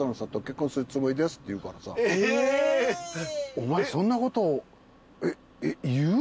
お前そんなこと言う？